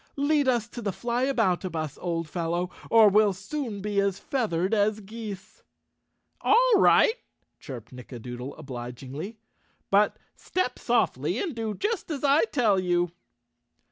"Lead us to the Flyaboutabus, old fellow, or we'll soon be as feathered as geese." "All right," chirped Nickadoodle obligingly, "but 166 Chapter Twelve step softly and do just as I tell you."